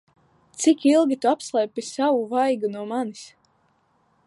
Cik ilgi Tu apslēpi savu vaigu no manis?